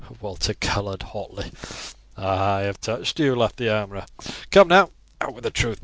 Walter coloured hotly. "Ah! I have touched you," laughed the armourer; "come now, out with the truth.